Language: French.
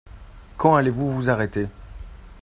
Quand allez-vous vous arrêter?